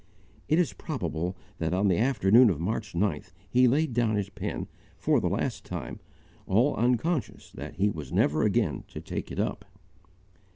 It is probable that on the afternoon of March 9th he laid down his pen, for the last time, all unconscious that he was never again to take it up.